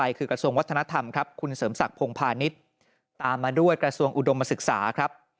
และนี่ก็สร้างประวัติศาสตร์เช่นเดียวกันครับเป็นรัฐมนตรีว่าการกระทรวงอุตสาหกรรม